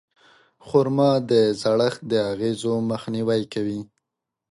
خرما د زړښت د اغېزو مخنیوی کوي.